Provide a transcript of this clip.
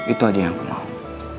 itu aja yang aku mohon